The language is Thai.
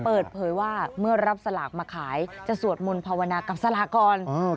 เปิดเผยว่าเมื่อรับสลากมาขายจะสวดมนต์ภาวนากับสลากก่อน